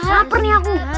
laper nih aku